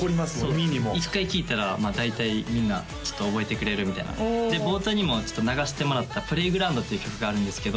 耳にも一回聴いたら大体みんな覚えてくれるみたいな冒頭にも流してもらった「ＰＬＡＹＧＲＯＵＮＤ」っていう曲があるんですけど